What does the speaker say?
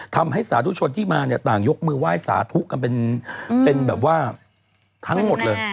ทำให้สาธุชนที่มาต่างยกมือไหว้สาธุเป็นแบบว่าทั้งหมดเลย